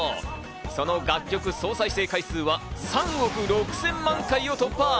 その楽曲総再生回数は３億６０００万回を突破。